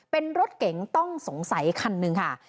เป็นรถเก๋งต้องสงสัยคันหนึ่งค่ะ